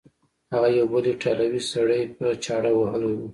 هغه یو بل ایټالوی سړی په چاړه وهلی و.